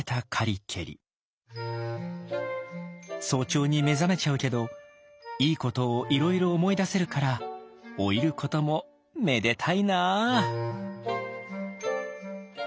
早朝に目覚めちゃうけどいいことをいろいろ思い出せるから老いることもめでたいな。